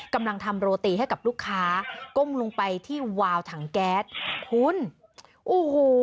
กำลังทำโรตีให้กับลูกค้าก้มลงไปที่วาวถังแก๊สคุณโอ้โห